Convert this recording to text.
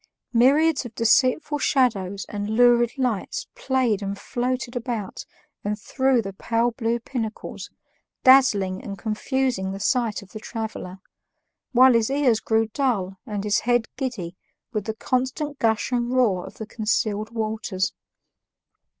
Myriads of deceitful shadows and lurid lights played and floated about and through the pale blue pinnacles, dazzling and confusing the sight of the traveler, while his ears grew dull and his head giddy with the constant gush and roar of the concealed waters.